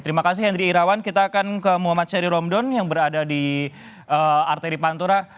terima kasih henry irawan kita akan ke muhammad syari romdon yang berada di arteri pantura